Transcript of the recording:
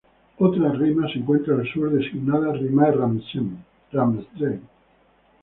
Otra rima se encuentra al sur, designada Rimae Ramsden.